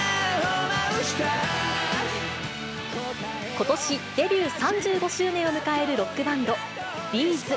ことしデビュー３５周年を迎えるロックバンド、Ｂ’ｚ。